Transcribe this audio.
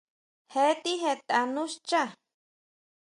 Je tijetʼa nú xchá.